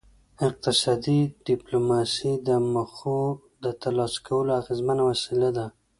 اقتصادي ډیپلوماسي د موخو د ترلاسه کولو اغیزمنه وسیله ده